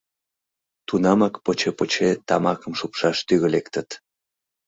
Тунамак поче-поче тамакым шупшаш тӱгӧ лектыт.